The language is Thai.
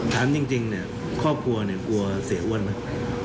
ถามจริงเนี่ยครอบครัวเนี่ยกลัวเสียอ้วนไหม